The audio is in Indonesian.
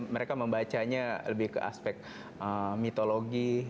mereka membacanya lebih ke aspek mitologi